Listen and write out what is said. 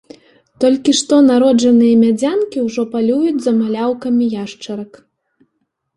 Толькі што народжаныя мядзянкі ўжо палююць за маляўкамі яшчарак.